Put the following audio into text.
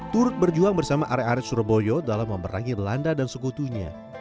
turut berjuang bersama area area surabaya dalam memerangi belanda dan sekutunya